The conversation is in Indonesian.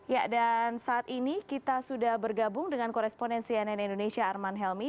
ya dan saat ini kita sudah bergabung dengan koresponen cnn indonesia arman helmi